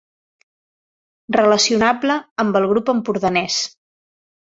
Relacionable amb el Grup Empordanès.